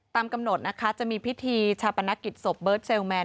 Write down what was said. กำหนดนะคะจะมีพิธีชาปนกิจศพเบิร์ดเซลแมน